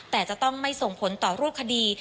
แต่จะต้องไม่ส่งผลต่อรูปคดี